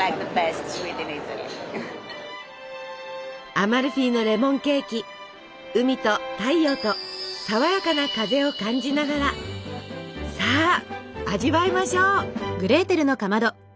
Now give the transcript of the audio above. アマルフィのレモンケーキ海と太陽とさわやかな風を感じながらさあ味わいましょう！